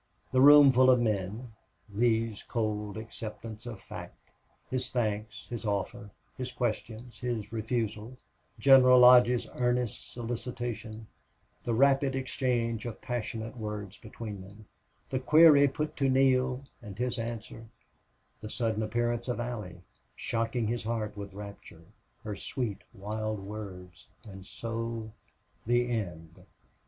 The room full of men Lee's cold acceptance of fact, his thanks, his offer, his questions, his refusal General Lodge's earnest solicitation the rapid exchange of passionate words between them the query put to Neale and his answer the sudden appearance of Allie, shocking his heart with rapture her sweet, wild words and so the end!